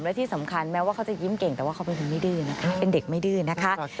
และที่สำคัญแม้ว่าเขาจะยิ้มเก่งแต่ว่าเขาเป็นเด็กไม่ดื้อนะคะ